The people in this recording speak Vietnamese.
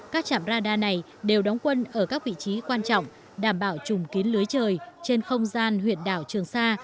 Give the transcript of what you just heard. các trạm radar này đều đóng quân ở các vị trí quan trọng đảm bảo chùm kín lưới trời trên không gian huyện đảo trường sa